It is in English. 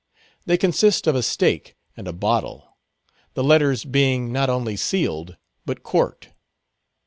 They consist of a stake and a bottle. The letters being not only sealed, but corked.